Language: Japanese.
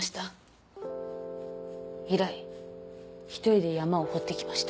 以来一人で山を掘ってきました。